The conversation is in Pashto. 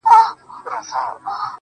زما په څېره كي، ښكلا خوره سي,